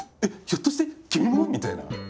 ひょっとして君も？」みたいな。